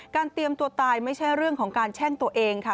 เตรียมตัวตายไม่ใช่เรื่องของการแช่งตัวเองค่ะ